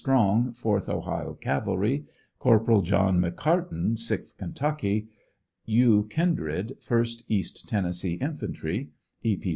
Strong, 4th Ohio cavalry; Cor poral John McCarten, 6lh Kentucky; U. Kindred, 1st East Tennes see infantry; E. P.